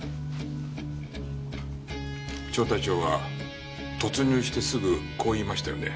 小隊長は突入してすぐこう言いましたよね。